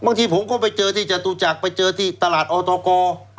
บางทีผมก็ไปเจอที่จตุจักรไปเจอที่ตลาดออตก